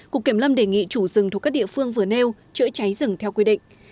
cục kiểm lâm đề nghị chủ rừng thuộc các địa phương vừa nêu chữa cháy rừng theo quy định